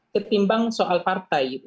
ketimbang soal partai